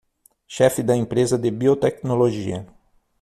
Chefe da empresa de biotecnologia